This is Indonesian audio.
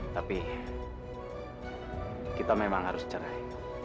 tapi kita memang harus cerai